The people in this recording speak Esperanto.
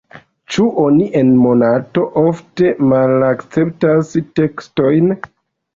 Ĉu oni en Monato ofte malakceptas tekstojn?